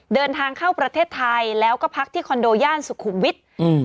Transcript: เดินทางเข้าประเทศไทยแล้วก็พักที่คอนโดย่านสุขุมวิทย์อืม